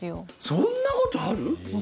そんなことある？